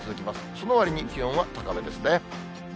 そのわりに気温は高めですね。